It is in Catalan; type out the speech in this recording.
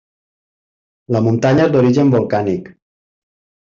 La muntanya és d'origen volcànic.